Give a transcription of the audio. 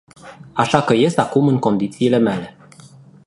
Așa că ies acum în condițiile mele”.